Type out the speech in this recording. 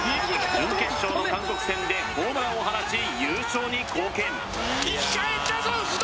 準決勝の韓国戦でホームランを放ち優勝に貢献